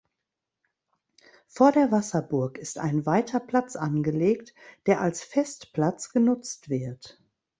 Vor der Wasserburg ist ein weiter Platz angelegt, der als Festplatz genutzt wird.